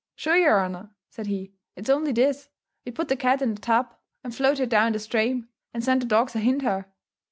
"Sure your honour," said he, "it's only this: we put the cat in the tub, and float her down the strame, and send the dogs ahint her."